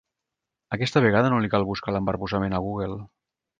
Aquesta vegada no li cal buscar l'embarbussament a Google.